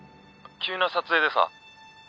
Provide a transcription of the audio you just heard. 急な撮影でさ。